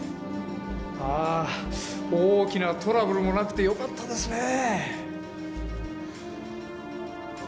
ああ大きなトラブルもなくてよかったですねぇ。